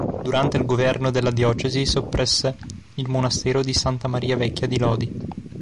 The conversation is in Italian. Durante il governo della diocesi soppresse il monastero di Santa Maria Vecchia di Lodi.